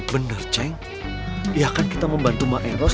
bener ceng ya kan kita membantu mak elos